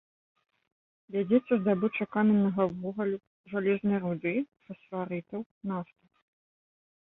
Вядзецца здабыча каменнага вугалю, жалезнай руды, фасфарытаў, нафты.